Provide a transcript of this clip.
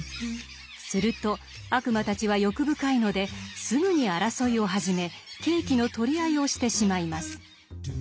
すると悪魔たちは欲深いのですぐに争いを始めケーキの取り合いをしてしまいます。